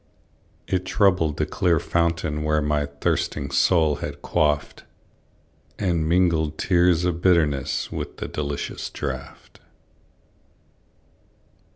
It troubled the clear fountain where My thirsting soul had quaffed, And mingled tears of bitterness With the delicious draught.